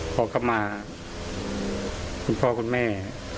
พอกลับมาคุณพ่อคุณแม่